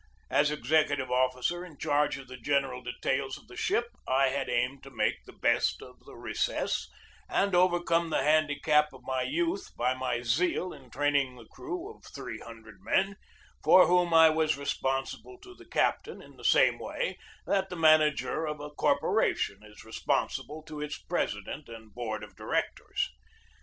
As executive officer in charge of the general details of the ship, I had aimed to make the best of the recess and overcome the handicap of my youth by my zeal in training the crew of three hundred men, for whom I was responsible to the captain in the same way that the manager of a corporation is responsible to its president and board of directors.